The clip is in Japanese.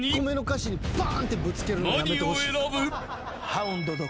［何を選ぶ？］